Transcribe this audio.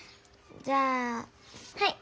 じゃあはい。